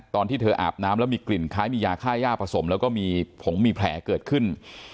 ตอนที่เธออาบน้ำแล้วมีกลิ่นคล้ายมียาค่าย่าผสมแล้วก็มีผงมีแผลเกิดขึ้น